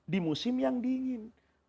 di musim yang dingin